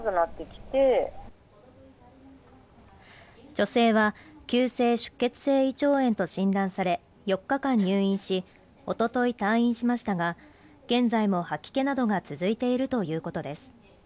女性は急性出血性胃腸炎と診断され４日間入院しおととい退院しましたが現在も吐き気などが続いているということです